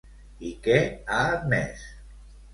I què ha admès?